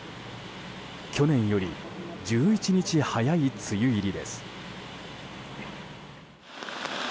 去年より１１日早い梅雨入りです。